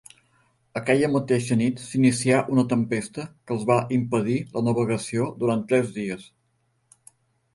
Aquella mateixa nit s'inicià una tempesta que els va impedir la navegació durant tres dies.